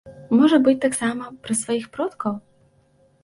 Можа быць, таксама пра сваіх продкаў?